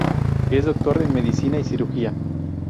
Es doctor en Medicina y Cirugía.